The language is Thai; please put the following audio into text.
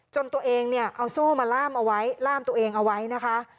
ตัวเองเนี่ยเอาโซ่มาล่ามเอาไว้ล่ามตัวเองเอาไว้นะคะ